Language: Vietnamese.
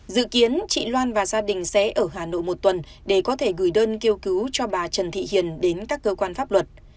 dự kiến chị loan và gia đình sẽ ở hà nội một tuần để có thể gửi đơn kêu cứu cho bà trần thị hiền đến các cơ quan pháp luật